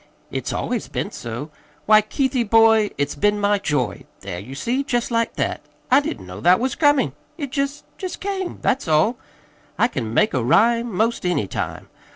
It's always been so. Why, Keithie, boy, it's been my joy There, you see jest like that! I didn't know that was comin'. It jest jest came. That's all. I can make a rhyme 'most any time.